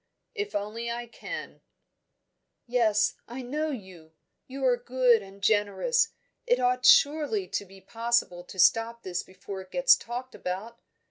"If only I can!" "Yes! I know you! You are good and generous It ought surely to be possible to stop this before it gets talked about?